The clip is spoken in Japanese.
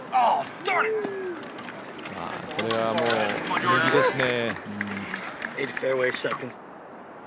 これは右ですね。